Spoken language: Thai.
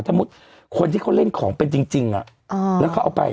สมมุติคนที่เขาเล่นของเป็นจริงแล้วเขาเอาไป